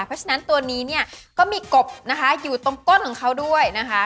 เพราะฉะนั้นตัวนี้เนี่ยก็มีกบนะคะอยู่ตรงก้นของเขาด้วยนะคะ